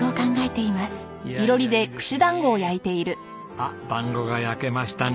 あっ団子が焼けましたね。